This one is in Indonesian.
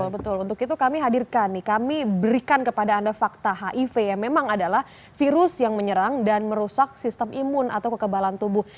betul untuk itu kami hadirkan nih kami berikan kepada anda fakta hiv yang memang adalah virus yang menyerang dan merusak sistem imun atau kekebalan tubuh